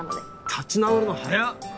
立ち直るの早っ！